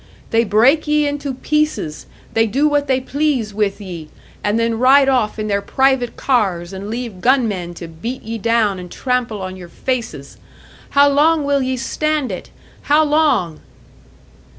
They break ye into pieces, they do what they please with ye and then ride off in their private cars, and leave gunmen to beat ye down and trample on your faces! How long will ye stand it? How long?"